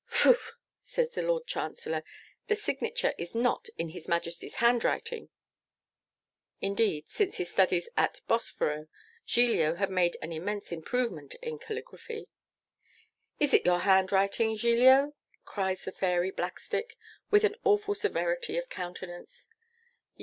'Phoo!' says the Lord Chancellor, 'the signature is not in His Majesty's handwriting.' Indeed, since his studies at Bosforo, Giglio had made an immense improvement in caligraphy. 'Is it your handwriting, Giglio?' cries the Fairy Blackstick, with an awful severity of countenance.